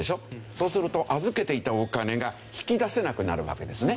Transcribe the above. そうすると預けていたお金が引き出せなくなるわけですね。